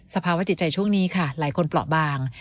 ภาวะจิตใจช่วงนี้ค่ะหลายคนเปราะบาง